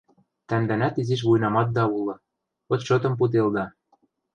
Тӓмдӓнӓт изиш вуйнаматда улы — отчетым пуделда...